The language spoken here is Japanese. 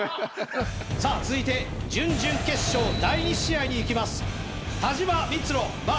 さあ続いて準々決勝第２試合にいきます